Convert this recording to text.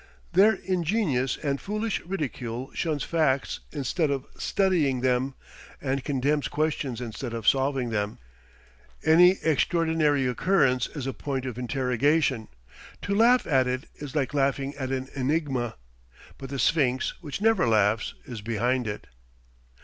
Their ingenious and foolish ridicule shuns facts instead of studying them, and condemns questions instead of solving them. Any extraordinary occurrence is a point of interrogation; to laugh at it is like laughing at an enigma. But the Sphynx, which never laughs, is behind it.